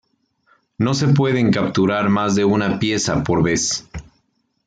No se pueden capturar más de una pieza por vez.